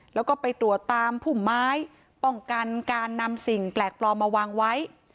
แล้วก็ไปตรวจตามพุ่มไม้ป้องกันการนำสิ่งแปลกปลอมมาวางไว้